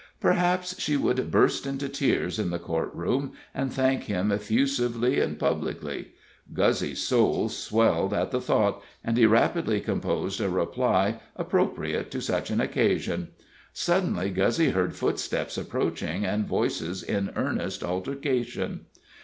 Perhaps she would burst into tears in the court room, and thank him effusively and publicly! Guzzy's soul swelled at the thought, and he rapidly composed a reply appropriate to such an occasion. Suddenly Guzzy heard footsteps approaching, and voices in earnest altercation.